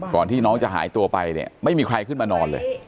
ที่น้องจะหายตัวไปเนี่ยไม่มีใครขึ้นมานอนเลย